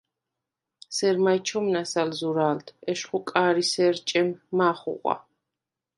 სერ მაჲ ჩომნას ალ ზურა̄ლდ: ეშხუ კა̄რისერ ჭემ მა̄ ხუღვა.